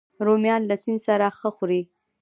رومیان له سیند سره ښه خوري